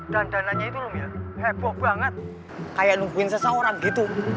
dandananya itu mil heboh banget kayak nungguin seseorang gitu